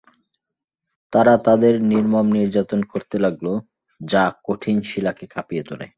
তারা তাদের নির্মম নির্যাতন করতে লাগল, যা কঠিন শিলাকে কাঁপিয়ে তুলে।